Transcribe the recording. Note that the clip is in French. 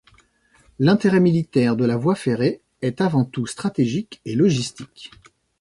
L'intérêt militaire de la voie ferrée est avant tout stratégique et logistique.